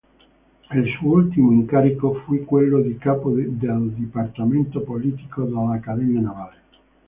Il suo ultimo incarico fu quello di capo del dipartimento politico dell'Accademia navale.